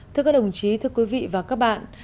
thưa các đồng chí thưa quý vị và các bạn